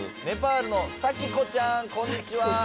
ネパールのさきこちゃんこんにちは。